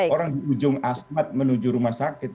orang di ujung asmat menuju rumah sakit